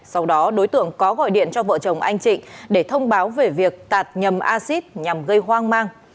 sau đó đối tượng có gọi điện cho vợ chồng anh trịnh để thông báo về việc tạt nhầm acid nhằm gây hoang mang